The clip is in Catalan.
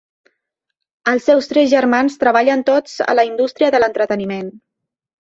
Els seus tres germans treballen tots a la indústria de l'entreteniment.